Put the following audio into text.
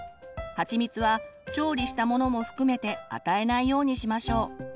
はちみつは調理したものも含めて与えないようにしましょう。